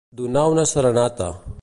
Donar una serenata.